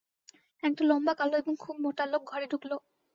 একটা লম্বা, কালো এবং খুব মোটা লোক ঘরে ঢুকল।